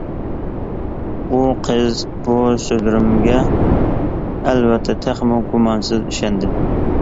ئۇ قىز بۇ سۆزلىرىمگە ئەلۋەتتە تېخىمۇ گۇمانسىز ئىشەندى.